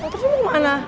motornya mau kemana